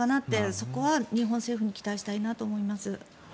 そこは日本政府に期待したいと思います。